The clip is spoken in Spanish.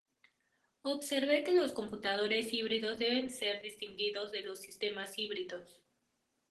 Observe que los computadores híbridos deben ser distinguidos de los sistemas híbridos.